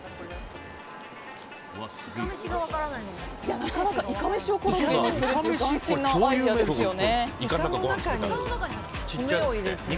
なかなかいかめしをコロッケにするという斬新なアイデアですよね。